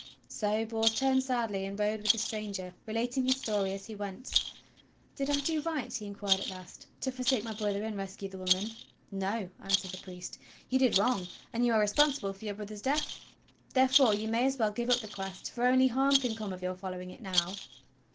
So Bors turned sadly and rode with the stranger, relating his story as he went. "Did I do right," he inquired at last, "to forsake my brother and rescue the woman.?" "No," answered the priest, "you did wrong, and you are responsible for your brother's death. Therefore you may as well give up the Quest, for only harm can come of your following it now."